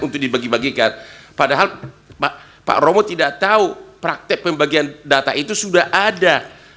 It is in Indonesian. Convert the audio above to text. untuk dibagi bagikan padahal pak romo tidak tahu praktek pembagian data itu sudah ada